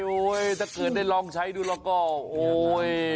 โอ้โฮถ้าเกิดได้ลองใช้ดูแล้วก็โอ้โฮ